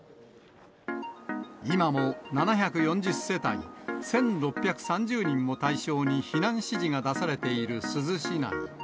今も７４０世帯、１６３０人を対象に避難指示が出されている珠洲市内。